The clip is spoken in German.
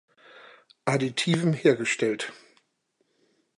Additiven hergestellt.